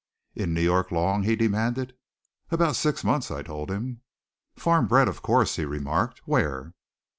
"In New York long?" he demanded. "About six months," I told him. "Farm bred, of course?" he remarked. "Where?"